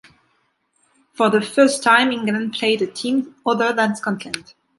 For the first time, England played a team other than Scotland.